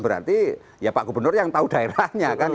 berarti ya pak gubernur yang tahu daerahnya kan